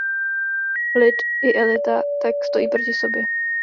Lid i elita tak stojí proti sobě.